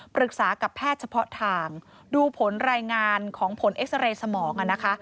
ปรึกษากับแพทย์เฉพาะทางดูผลรายงานของผลเอ็กซาเรย์สมองนะคะ